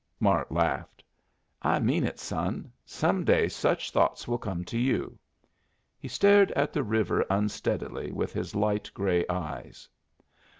Mart laughed. "I mean it, son. Some day such thoughts will come to you." He stared at the river unsteadily with his light gray eyes.